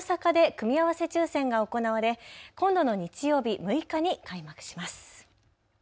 組み合わせ抽せんが行われ今度の日曜日６日に開幕します。